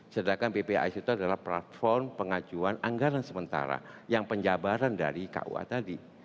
sedangkan ppi itu adalah platform pengajuan anggaran sementara yang penjabaran dari kua tadi